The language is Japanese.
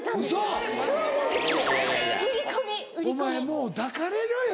もう抱かれろよ。